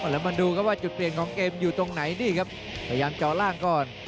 แล้วมาดูครับว่าจุดเปลี่ยนของเกมอยู่ตรงไหนนี่ครับพยายามเจาะล่างก่อน